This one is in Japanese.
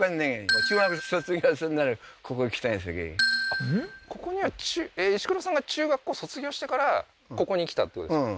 あっここには石黒さんが中学校卒業してからここに来たってことですか？